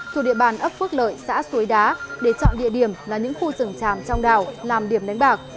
thuộc địa bàn ấp phước lợi xã suối đá để chọn địa điểm là những khu rừng tràm trong đảo làm điểm đánh bạc